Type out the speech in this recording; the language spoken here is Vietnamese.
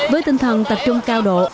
với tinh thần tập trung cao độ